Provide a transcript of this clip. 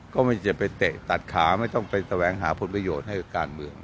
ก็ไม่จะไปเตะตัดขาไม่ต้องไปแสวงหาผลประโยชน์ให้กับการเมือง